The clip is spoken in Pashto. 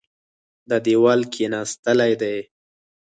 دا دېوال کېناستلی دی.